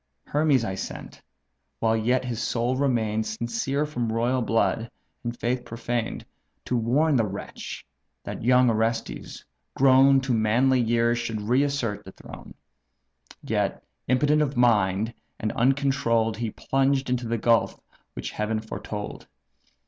Hermes I sent, while yet his soul remain'd Sincere from royal blood, and faith profaned; To warn the wretch, that young Orestes, grown To manly years, should re assert the throne. Yet, impotent of mind, and uncontroll'd, He plunged into the gulf which Heaven foretold."